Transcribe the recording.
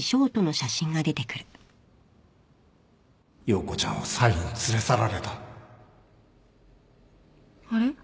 葉子ちゃんはサイに連れ去られたあれ？